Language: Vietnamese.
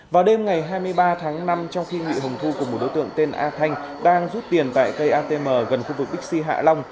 vào đêm ngày hai mươi ba tháng năm trong khi nghị hồng thu cùng một đối tượng tên a thanh đang rút tiền tại cây atm gần khu vực bixi hạ long